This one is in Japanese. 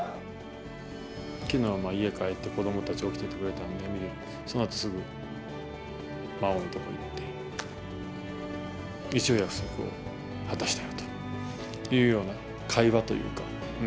きのうは家帰って、子どもたちが起きていてくれたんで、そのあとすぐ、麻央の所に行って、一応、約束を果たしたよというような会話というか。